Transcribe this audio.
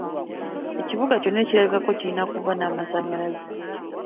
Ekibuga kyonna ekirabikako kirina okuba n'amasanyalaze.